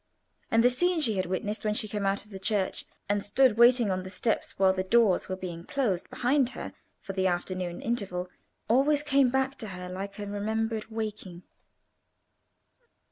And the scene she had witnessed when she came out of the church, and stood watching on the steps while the doors were being closed behind her for the afternoon interval, always came back to her like a remembered waking.